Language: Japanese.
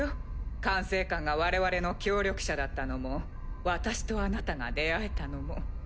管制官が我々の協力者だったのも私とあなたが出会えたのも。